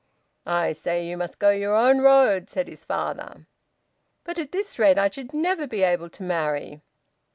"I say you must go your own road," said his father. "But at this rate I should never be able to marry!"